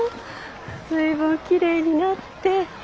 随分きれいになって。